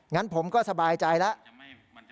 งั้นผมก็สบายใจแล้ว